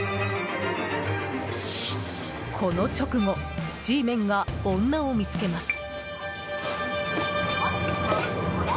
この直後Ｇメンが女を見つけます。